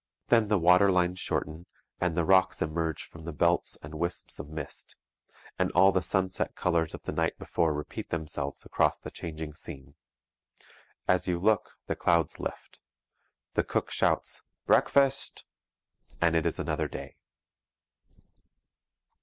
Then the water lines shorten and the rocks emerge from the belts and wisps of mist; and all the sunset colours of the night before repeat themselves across the changing scene. As you look, the clouds lift. The cook shouts 'breakfast!' And it is another day.